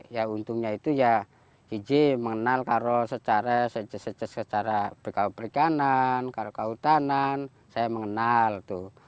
ya untungnya itu ya hijik mengenal kalau secara berkawal perikanan kalau kawal tanan saya mengenal itu